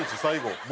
最後。